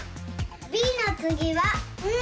「び」のつぎは「ん」！